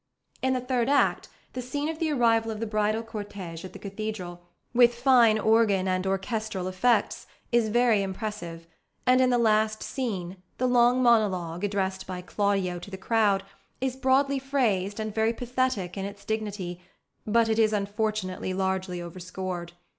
In the third act, the scene of the arrival of the bridal cortege at the cathedral, with fine organ and orchestral effects, is very impressive; and in the last scene, the long monologue, addressed by Claudio to the crowd, is broadly phrased and very pathetic in its dignity: but it is unfortunately largely overscored.